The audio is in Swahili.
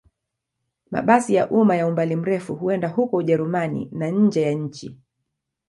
Mabasi ya umma ya umbali mrefu huenda huko Ujerumani na nje ya nchi.